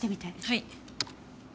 はい。